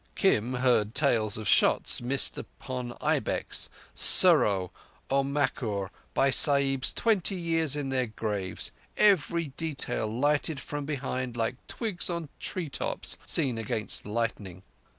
Kim heard tales of shots missed upon ibex, serow, or markhor, by Sahibs twenty years in their graves—every detail lighted from behind like twigs on tree tops seen against lightning.